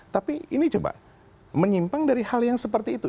tapi ini coba menyimpang dari hal yang seperti itu